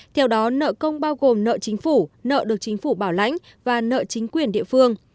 theo đó nợ công bao gồm nợ chính phủ nợ được chính phủ bảo lãnh và nợ chính quyền địa phương